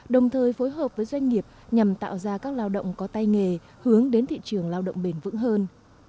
đồng thời phối hợp với doanh nghiệp nhằm tạo ra các lao động có tay nghề hướng đến thị trường lao động bền vững hơn